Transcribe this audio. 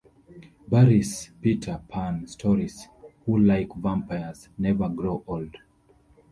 Barrie's "Peter Pan" stories, who - like vampires - never grow old.